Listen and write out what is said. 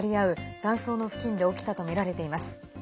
断層の付近で起きたとみられています。